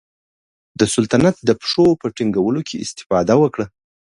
د سلطنت د پښو په ټینګولو کې استفاده وکړه.